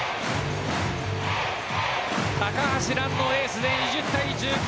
高橋藍のエースで２０対１９。